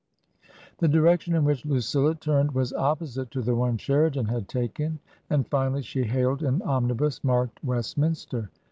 The direction in which Lucilla turned was opposite to the one Sheridan had taken, and finally she hailed an omnibus marked Westminster.